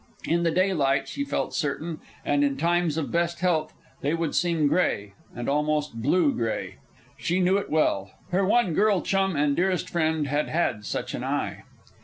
In the daylight, she felt certain, and in times of best health, they would seem gray, and almost blue gray. She knew it well; her one girl chum and dearest friend had had such an eye.